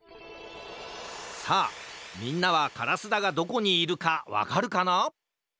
さあみんなはからすだがどこにいるかわかるかな？